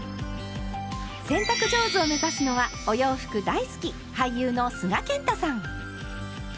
洗濯上手を目指すのはお洋服大好き俳優の須賀健太さん。